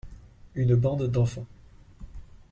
Une bande d’enfants.